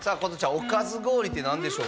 おかず氷って何でしょうか？